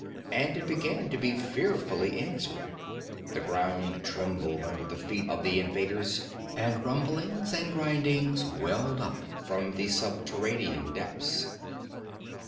And it began to be fearfully answered. The ground trembled under the feet of the invaders, and rumblings and grindings welled up from the subterranean depths.